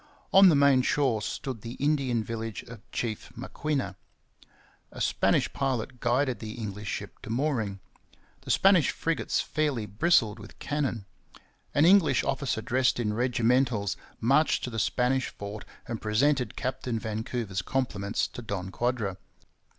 On the main shore stood the Indian village of Chief Maquinna. A Spanish pilot guided the English ship to mooring. The Spanish frigates fairly bristled with cannon. An English officer dressed in regimentals marched to the Spanish fort and presented Captain Vancouver's compliments to Don Quadra.